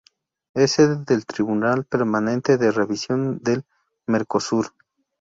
Es sede del Tribunal Permanente de Revisión del Mercosur.